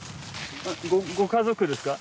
ご家族ですか？